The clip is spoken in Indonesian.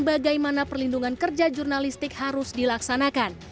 bagaimana perlindungan kerja jurnalistik harus dilaksanakan